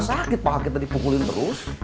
sakit pah kita dipukulin terus